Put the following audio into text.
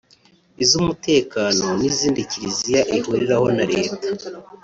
iz’umutekano n’izindi kiliziya ihuriraho na leta